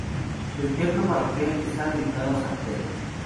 El templo parroquial está dedicado a San Pedro.